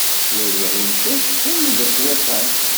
Ttwaliɣ imcac qqimen deg ṭṭwiqan.